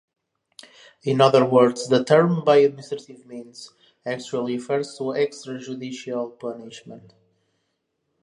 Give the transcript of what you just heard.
In other words, the term "by administrative means" actually refers to extrajudicial punishment.